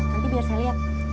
nanti biar saya liat